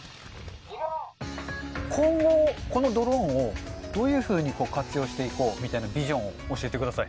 今後、このドローンをどういうふうに活用していこうみたいなビジョンを教えてください。